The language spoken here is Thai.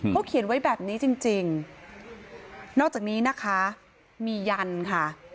เขาเขียนไว้แบบนี้จริงจริงนอกจากนี้นะคะมียันค่ะ